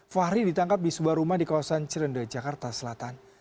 fahri ditangkap di sebuah rumah di kawasan cirende jakarta selatan